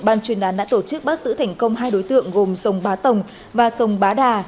ban chuyên án đã tổ chức bắt giữ thành công hai đối tượng gồm sông bá tồng và sông bá đà